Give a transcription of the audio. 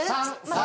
３。